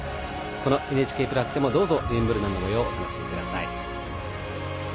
この「ＮＨＫプラス」でもどうぞウィンブルドンのもようをお楽しみください。